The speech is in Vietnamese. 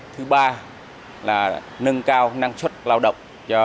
thứ ba là nâng cao năng suất lao động